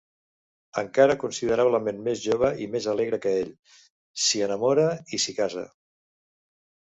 Encara considerablement més jove i més alegre que ell, s'hi enamora i s’hi casa.